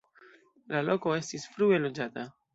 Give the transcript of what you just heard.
La loko estis frue loĝata.